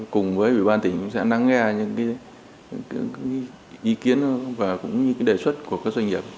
cùng với ủy ban tỉnh cũng sẽ nắng nghe những ý kiến và cũng như đề xuất của các doanh nghiệp